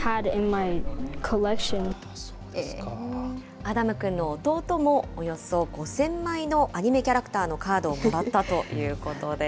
アダム君の弟も、およそ５０００枚のアニメキャラクターのカードをもらったということです。